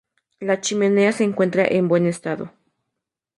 La chimenea se encuentra en buen estado.